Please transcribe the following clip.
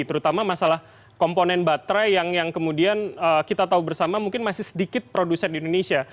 terutama masalah komponen baterai yang kemudian kita tahu bersama mungkin masih sedikit produsen di indonesia